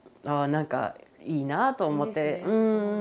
何かいいなあと思って。